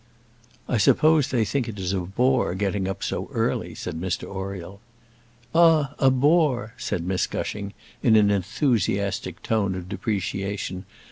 "I suppose they think it is a bore getting up so early," said Mr Oriel. "Ah, a bore!" said Miss Gushing, in an enthusiastic tone of depreciation.